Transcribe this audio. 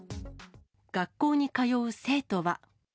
学校に通う生徒は。